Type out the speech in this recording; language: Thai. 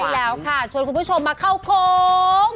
ใช่แล้วค่ะชวนคุณผู้ชมมาเข้าโค้ง